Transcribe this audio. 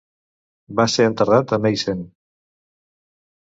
Va ser enterrat a Meissen.